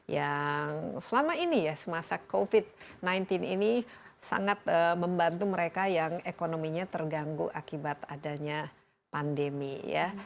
yang selama ini ya semasa covid sembilan belas ini sangat membantu mereka yang ekonominya terganggu akibat adanya pandemi ya